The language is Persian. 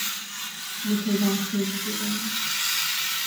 متوهم شدن